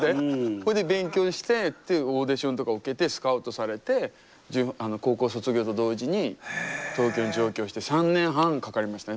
ほいで勉強してオーディションとか受けてスカウトされて高校卒業と同時に東京に上京して３年半かかりましたね